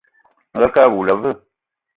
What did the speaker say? Angakë awula a veu?